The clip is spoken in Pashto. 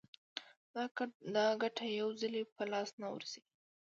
دا ګټه یو ځلي په لاس نه ورځي